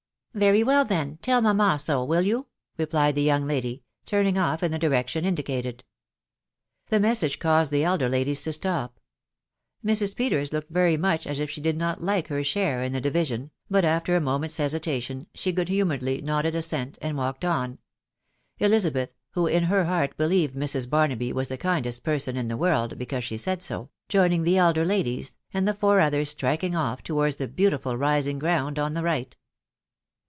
•' Very wal, then, tell mamma so, wilt you ?'* replied Ae young lady, turning off in the direction indicated* The message caused the elder ladies to stop; Mrs. Peters locked; very uracil at if she did not like her share in the divi sion, but, after a mojtwttt's hesitation) she good tameurecfiy nodded assent, and walked en, Elizabeth (who in her heart believed Mrs. Baruaby was the kindest person in die world, because she said so,) joining the elder ladies, and the four ethers striking at? towatuVr the beautiful rising ground' on the right.